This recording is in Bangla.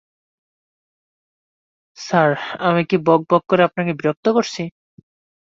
স্যার, আমি কি বকবক করে আপনাকে বিরক্ত করছি?